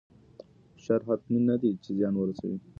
فشار حتمي نه دی چې زیان ورسوي.